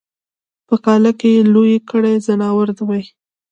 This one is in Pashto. په کاله کی یې لوی کړي ځناور وي